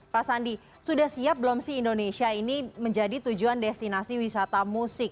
pak sandi sudah siap belum sih indonesia ini menjadi tujuan destinasi wisata musik